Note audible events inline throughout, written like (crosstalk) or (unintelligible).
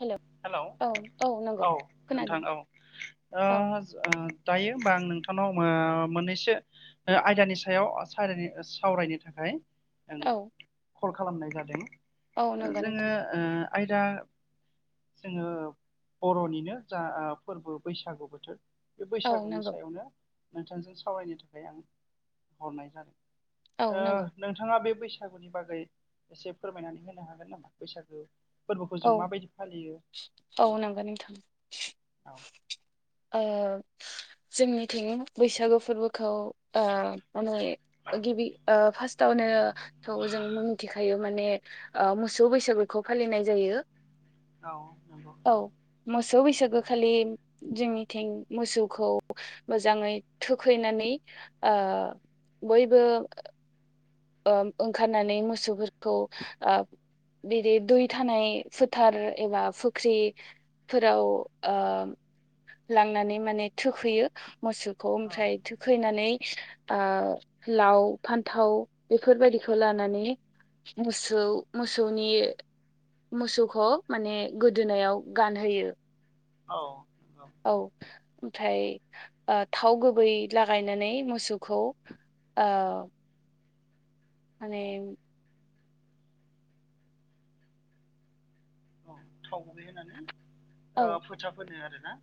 हेल' hello औ नंगौ औ खोनादों नोंथां औ औ ओज ओ। दायो होमबा आं नोंथांनाव मो-मोननैसो आयदानि सारानि सावरायनो थाखाय औ कल खालामनाय जादों औ नंगौ जोङो नोंथां ओ आयदा जोङो बर'निनो जा ओ फोर्बो बैसागु बोथोर। बे औ बैसागुनि नंगौ सायावनो नोंथांजों सावरायनो थाखाय आं हरनाय जादों। औ ओ नंगौ नोंथाङा बे बैसागुनि बागै एसे फोरमायनानै होनो हागोन नामा बैसागो फोर्बोखौ जों औ माबायदि फालियो? औ नंगौ नोंथां। (unintelligible) ओ जोंनिथिं बैसागु फोर्बोखौ ओ माने गिबि ओ फासथावनो थ' जों मिथिखायो माने ओ मोसौ बैसागुखौ फालिनाय जायो। औ नंगौ। औ मोसौ बैसागो खालि जोंनिथिं मोसौखौ मोजाङै थुखैनानै ओ बयबो ओ ओंखारनानै मोसौफोरखौ ओ बिदि दै थानाय फोथार एबा फुख्रि। फोराव ओ लांनानै माने थुखैयो मोसो खौ औ ओमफ्राय थुखैनानै ओ लाव-फान्थाव। बेफोरबायदिखौ लानानै मोसौ-मोसौनि। मोसौखौ माने गोदोनायाव गानहोयो। औ। नंगौ औ। ओमफ्राय ओ थाव गुबै लागायनानै मोसौखौ। ओ माने औ थाव गुबै होनानै औ फोथाब फोनो आरोना।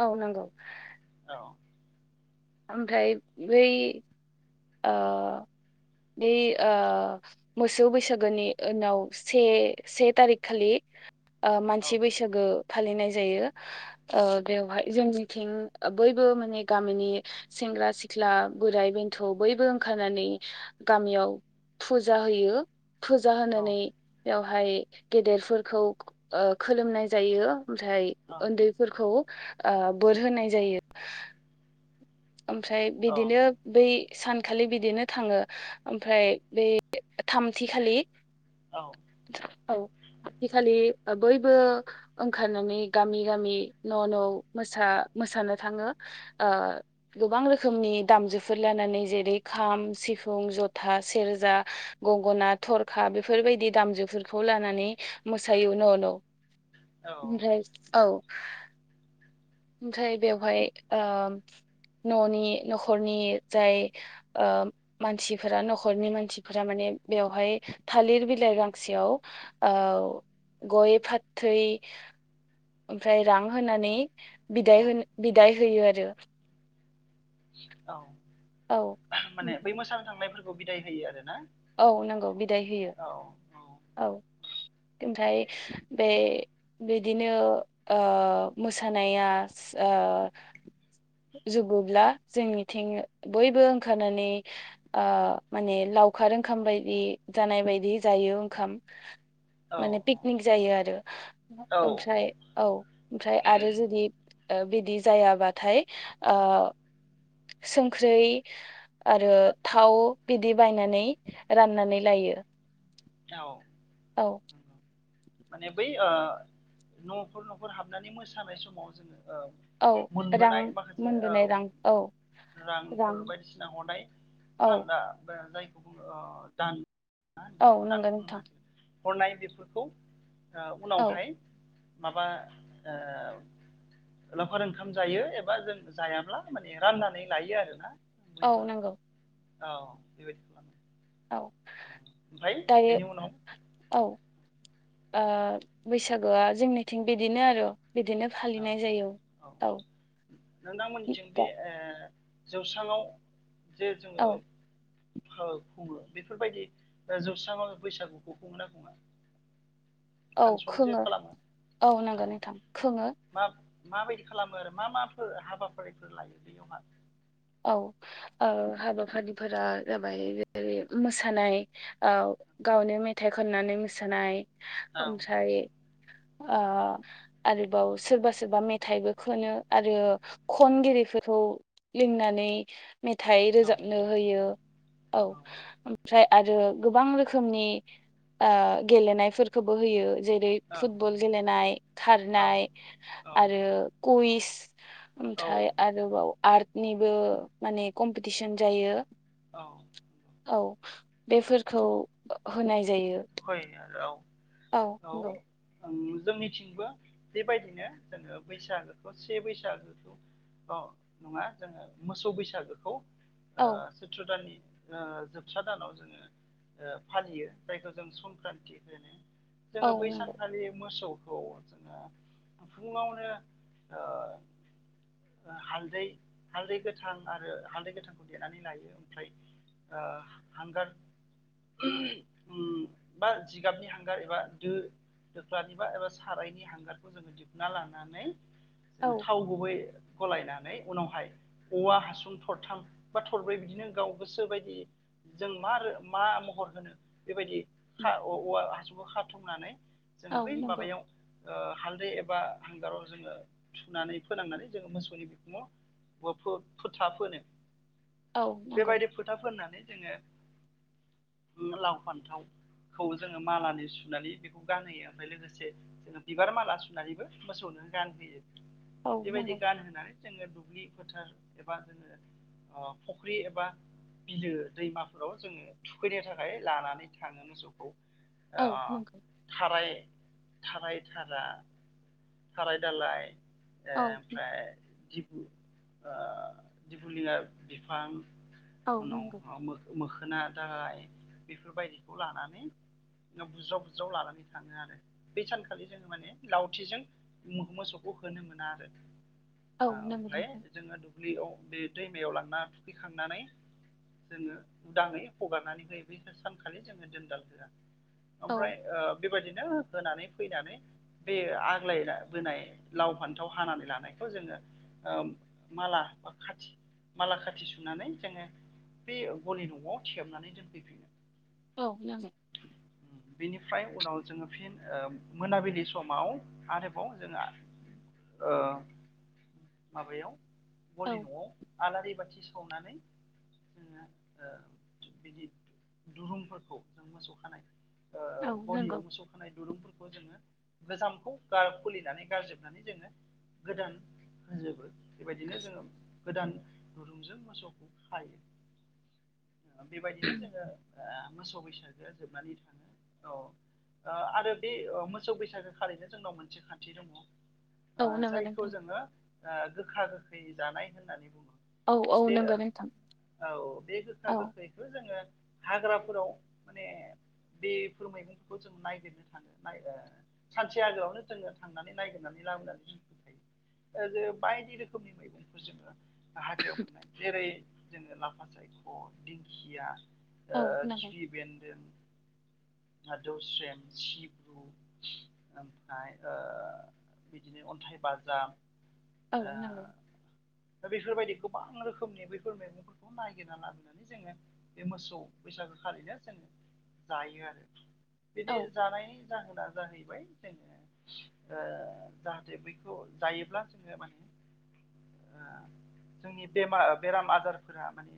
औ नोंगौ। औ ओमफ्राय बै आ बेै ओ मोसौ बैसागोनि उनाव से से थारिख खालि ओ औ मानसि बैसागो फालिनाय जायो ओ बेवहाय जोंनिथिं बयबो माने गामिनि सेंग्रा सिख्ला बोराय बेन्थ' बयबो ओंखारनानै गामियाव फुजा होयो फुजा औ होनानै बेवहाय गेदेरफोरखौ खोलोमनाय जायो। ओमफ्राय औ उन्दैफोरखौ बोर होनाय जायो। ओमफ्राय बिदिनो औ बै सानखालि बिदिनो थाङो ओमफ्राय बेै थामथिखालि औ हैखालि बयबो ओंखारनानै गामि गामि न' न' मोसा मोसानो थाङो ओ गोबां रोखोमनि दामजुफोर लानानै जेरै खाम सिफुं जथा सेरजा गंगना थरखा बेफोरबायदि दामजुफोरखौ लानानै मोसायो न' न' औ ओमफ्राय औ ओमफ्राय बेवहाय ओ न'नि न'खरनि जाय ओ मानसिफोरा न'खरनि मानसिफोरा माने बेवहाय थालिर बिलाइ गांसेयाव ओ गय फाथै ओमफ्राय रां होनानै बिदाय औ होन बिदाय होयो आरो औ औ माने बै ओमफ्राय मोसानो थांनायफोरखौ बिदाय होयो आरो ना। औ नंगौ बिदाय होयो औ। ओमफ्राय बे बिदिनो ओ मोसानाया आ जुबोब्ला जोंनिथिं बयबो ओंखारनानै ओ माने लाव लावखार ओंखाम बायदि जानाय बायदि जायो ओंखाम औ माने पिकनिक जायो आरो औ ओमफ्राय औ ओमफ्राय आरो जुदि बिदि जायाबाथाय आ संख्रै आरो थाव बिदि बायनानै राननानै लायो औ औ माने बै ओ न'खर न'खर हाबनानै मोसानाय समाव जोङो ओ औ रां मोनबोनाय माखासे औ मोनबोनाय रां औ रां रांफोर बायदिसिना हरनाय औ सानदा जाय दान औ नंगौ दानखौ नोंथां हरनाय बेफोरखौ औ उनावहाय माबा ओ लावखार ओंखाम जायो एबा जों जायाब्ला माने राननानै लायो आरोना। औ बयबो नांगौ औ बेबायदि खालामो औ ओमफ्राय बेनि उनाव आ बैसागुआ जोंनिथिं बिदिनो आरो बिदिनो फालिनाय औ जायो औ नोंथांमोननिथिं बे दा जौस्राङाव जे औ जोङो खुङो बेफोरबायदि जौस्राङाव बैसागुखौ खुङो ना खुङा औ फानसन जे खोङो खालामो औ नंगौ नोंथां खोङो मा माबायदि खालामो आरो मा माफोर हाबाफारिफोर लायो बेयावहाय औ ओ हाबाफारिफोरा जाबाय जेरै मोसानाय औ गावनो मेथाइ खननानै मोसानाय औ ओमफ्राय आ आरोबाव सोरबा सोरबा मेथाइबो खोनो आरो खनगिरि बेफोरखौ लिंनानै मेथाइ औ रोजाबनो होयो औ ओमफ्राय आरो गोबां रोखोमनि आ गेलेनायफोरखौबो होयो जेरै फुटबल गेलेनाय औ खारनाय औ आरो कुइस औ ओमफ्राय आरोबाव आर्टनिबो माने कम्पिटिसन जायो औ (unintelligible) औ बेफोरखौ होनाय जायो खय न आरो औ (inaudible) औ नंगौ ओं जोंनिथिंबो बेबायदिनो जोङो बैसागोखौ से बैसागोखौ अ नङा जोङो मोसौ बैसागोखौ ओ औ सैत्र दाननि ओ जोबसा दानाव जोङो ओ फालियो जायखौ जों संक्रान्ति होनो औ जोङो नंगौ बैसानखालि मोसौखौ जोङो फुङावनो ओ हालदै हालदै गोथां आरो हालदै गोथांखौ देनानै लायो ओमफ्राय आ हांगार उम बा जिगाबनि हांगार एबा दो दोख्लानिबा एबा सारायनि हांगारखौ जोङो दिहुनना लानानै औ जोङो थाव गुबै गलायनानै उनावहाय औवा हासुं थरथाम बा थरब्रै बिदिनो गाव गोसो बायदि जों मा मा महर होनो बेबायदि खा औवा हासुखौ खाथुमनानै जोङो औ बै नंगौ माबायाव ओ हालदै एबा हांगाराव जोङो सुनानै फोनांनानै जोङो मोसौनि बिखुङाव ब फो फोथा फोनो औ नंगौ बेबायदि फोथा फोननानै जोङो लाव फान्थाव खौ जोङो मालानि सुनानै बेखौ गानहोयो ओमफ्राय लोगोसे जोङो बिबार माला सुनानैबो मोसौनो गानहोयो औ बेबायदि नंगौ गानहोनानै जोङो दुब्लि फोथार एबा जोङो आ फुख्रि एबा बिलो दैमाफोराव जोङो थुखैनो थाखाय लानानै थाङो मोसौ अ औ नंगौ थाराय थाराय थारा थाराय दालाय औ ओमफ्राय दि आ दिफुुलिया बिफां औ उनाव नंगौ मोख-मोख खोना दालाय बेफोरबायदिखौ लानानै बुज्राव बुज्राव लानानै थाङो आरो। बै सानखालि जोङो माने लावथिजों मोसौखौ होन होनो मोना आरो औ ओ नंगौ आमफ्राय नोंथां जोंङो दु दुब्लियाव बे दैमायाव लांना थुखैखांनानै जोङो उदाङै हगारनानै होयो बैसोर सानखालि जोङो दोनदाल होआ। ओमफ्राय औ ओ बेबायदिनो होनानै फैनानै बे आग्लायना बोनाय लाव फान्थाव हानानै लानायखौ ओ जोङो माला खाथि माला खाथि सुनानै जोङो बे गलि न'आव सथेबनानै दोनफैफिनो। औ (unintelligible) (inaudible) बेनिफ्राय उनाव जोंङो फिन ओ मोनाबिलि समाव आरोबाव जोंहा ओ माबायाव औ गलि नआव आलारि बाथि सावनानै जोंङो बिदि दुरुंफोरखौ (inaudible) मोसौ खानाय औ गलियाव नंगौ मोसौ खानाय। दुरुंफोरखौ जोंङो गोजामखौ खुलिनानै गारजोबनानै जोंङो गोदान। होजोबो बेबायदिनो जोंङो गोदान दुरुंजों मोसौखौ खायो। बेबायदिनो जोंङो मोसौ बैसागु। मोसौ बैसागुआ जोबनानै थाङो औ। आरो बे मोसौ बैसागु खालिनो जोंनाव मोनसे खान्थि दङ। औ नंगौ जायखौ नोंथां जोंङो गोखा गोखै जानाय होननानै बुङो। औ औ बे नंगौ नोंथां औ बे गोखा औ गोखैखौ जोंङो। हाग्राफोराव माने। बेफोर मैगंफोरखौ जों नायगिरनो थांङो सानसे आगोलाआवनो जोंङो थांनानै नायगिरनानै। लाबोखायो बायदि रोखोमनि मैगंफोर जोंङो। हाग्रायाव मोननाय जेरै जोंङो लाफा सायख' दिंखिया। औ नंगौ खिफि बेन्दों। दौस्रेम सिब्रु ओमफ्राय। बिदिनो अन्थाइ बाजाब। औ नंगौ दा बेफोरबायदि गोबां रोखोमनि बैफोर मैगंफोरखौ नायगिरना लाबोनानै जोंङो बे मोसौ। बैसागु खालिनो जोंङो जायो आरो बेनि औ जानायनि। जाहोना जाहैबाय जोंङो जाहाथे बैखौ जायोब्ला जोंङो माने। (inaudible) जोंनि बेमार बेराम आजारफोरा माने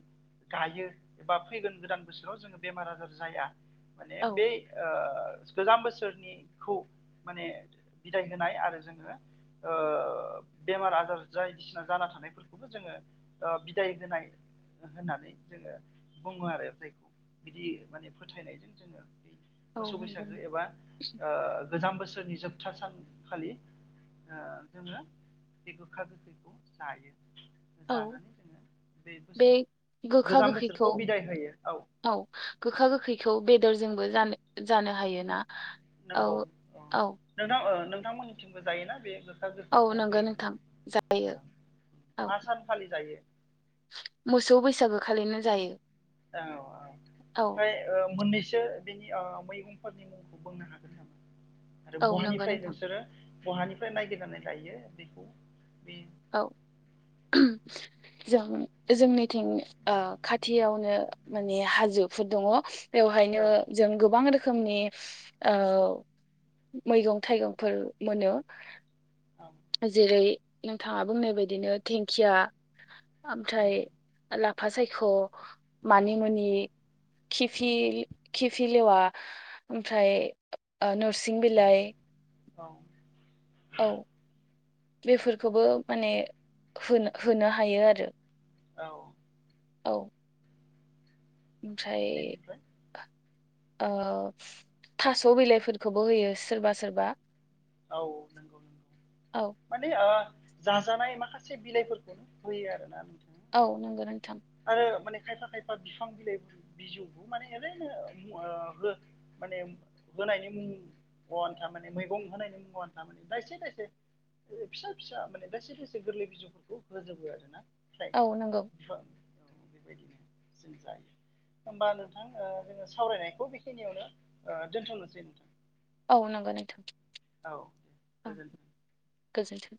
गायो एबा फैगोन गोदान बोसोराव जोंङो। बेमार आजार जाया माने औ बे। गोजाम बोसोरनिखौ माने बिदाय होनाय आरो जोंङो। बेमार आजार बायदिसिना जाना थानायफोरखौबो जोंङो बिदाय होनाय। होननानै जोंङो बुङो आरो जायखौ। बिदि माने फोथायनायजों जोंङो औ मोसौ नंगौ बैसागु एबा गोजाम बोसोर। नि जोबथा सानखालि। जोंङो बे गोखा गोखैखौ जायो। औ जानानै जोंङो बे बोसोर गोखा गोजाम गोखैखौ बोसोरखौ बिदाय होयो औ। औ गोखा गोखैखौ बेदरजोंबो जानो जानो हायोना। औ नंगौ औ नोंथां नोंथांमोननिथिंबो जायोना बे। गोखा औ गोखैखौ नंगौ बे नोंथां जायो औ मा सान खालि जायो। मोसौ बैसागु खालिनो जायो। औ औ औ ओमफ्राय मोननैसो। बिसोर बेनि मैगंफोरनि मुंखौ बुंनो हागोन नामा आरो औ नंगौ बहानिफ्राय नोंथां नोंसोरो। बहानिफ्राय नायगिरनानै लायो बैखौ बे। औ। जों जोंनिथिं खाथियावनो माने हाजोफोर दङ। औ बेवहायनो जों गोबां रोख खोमनि ओ मैगं थाइगंफोर मोनो। औ जेरै नोंथांङा बुंनाय बायदिनो दिंखिया। उम ओमफ्राय लाफा सायख मानि मुनि। खिफि लेवा ओमफ्राय नोरसिं बिलाइ। औ। औ बेफोरखौबो माने होनो हायो आरो। औ। औ ओमफ्राय बेनिफ्राय ओ थास' बिलाइफोरखौबो होयो सोरबा सोरबा औ औ माने आ जाजानाय माखासे बिलाइफोरखौनो होयो आरोना नोंथां औ नोंगो नोंथां। खायफा खायफा फिफां बिलाइ बिजौखौ माने ओरैनो ओम हो माने होनायनि मुं गआनथा माने मैगं होनायनि मुङाव आनथा माने दायसे दायसे फिसा फिसा माने दाइसे दाइसे गोरलै बिजौफोरखौ होजोबो आरो ना। औ नंगौ। औ बेबायदिनो जों जायो। होमबा नोंथां ओ जोङो सावरायनायखौ बेखिनियावनो ओ दोन्थ'नोसै नोंथां। औ नोंगो नोंथां। औ गोजोनथों। गोजोनथों।